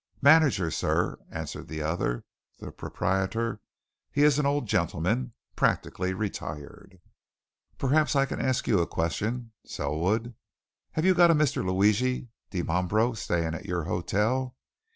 "Manager, sir," answered the other. "The proprietor, he is an old gentleman practically retired." "Perhaps I can ask you a question," Selwood. "Have you got a Mr. Luigi Dimambro staying at your hotel?